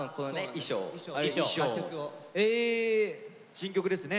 新曲ですね。